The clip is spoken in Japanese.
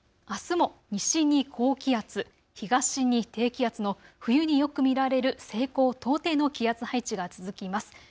あすも西に高気圧、東に低気圧の冬によく見られる西高東低の気圧配置が続きます。